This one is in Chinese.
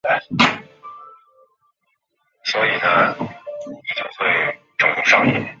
通常通用编程语言不含有为特定应用领域设计的结构。